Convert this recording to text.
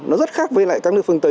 nó rất khác với lại các nước phương tây